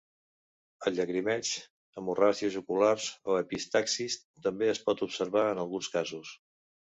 El llagrimeig, hemorràgies oculars o epistaxis també es pot observar en alguns casos.